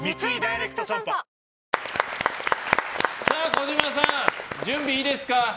小島さん、準備いいですか？